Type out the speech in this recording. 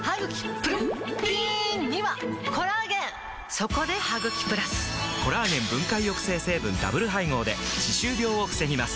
そこで「ハグキプラス」！コラーゲン分解抑制成分ダブル配合で歯周病を防ぎます